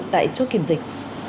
tại chốt kiểm dịch